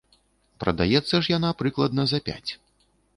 Прадаецца ж яна прыкладна за пяць.